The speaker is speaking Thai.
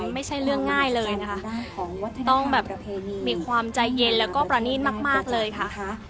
ไม่ใช่เรื่องง่ายเลยนะคะต้องแบบประเพณีมีความใจเย็นแล้วก็ประณีตมากเลยค่ะ